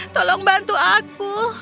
tolong bantu aku